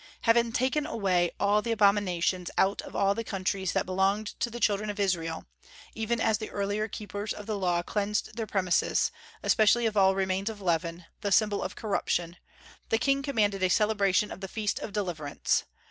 Having "taken away all the abominations out of all the countries that belonged to the children of Israel," even as the earlier keepers of the Law cleansed their premises, especially of all remains of leaven, the symbol of corruption, the king commanded a celebration of the feast of deliverance.